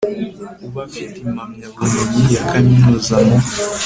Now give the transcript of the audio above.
uba afite impamyabumenyi ya kaminuza mu